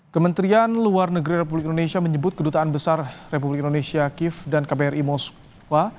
kementerian luar negeri republik indonesia menyebut kedutaan besar republik indonesia kiev dan kbri moskwa